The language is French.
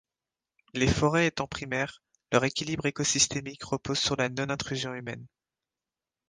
Les forêts étant primaires, leur équilibre écosystémique repose sur la non-intrusion humaine.